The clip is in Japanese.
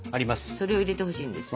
それを入れてほしいんです。